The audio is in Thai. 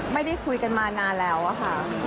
ไม่ได้คุยกันมานานแล้วอะค่ะ